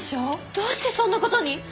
どうしてそんな事に？